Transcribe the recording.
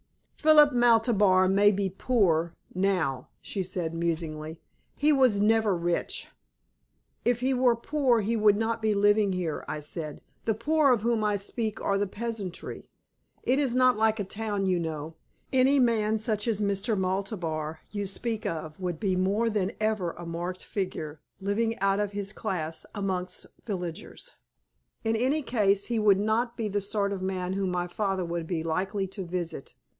"Philip Maltabar may be poor now," she said musingly. "He was never rich." "If he were poor, he would not be living here," I said. "The poor of whom I speak are the peasantry. It is not like a town, you know. Any man such as the Mr. Maltabar you speak of would be more than ever a marked figure living out of his class amongst villagers. In any case he would not be the sort of man whom my father would be likely to visit."